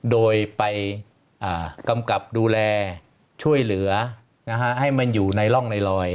โดยไปกำกับดูแลช่วยเหลือให้มันอยู่ในร่องในรอย